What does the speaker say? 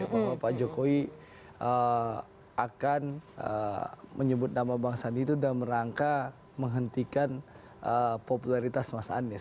bahwa pak jokowi akan menyebut nama bang sandi itu dalam rangka menghentikan popularitas mas anies